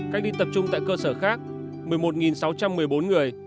cách ly tập trung tại cơ sở khác một mươi một sáu trăm một mươi bốn người